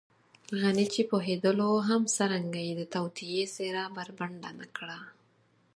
غني چې پوهېدلو هم څرنګه يې د توطیې څېره بربنډه نه کړه.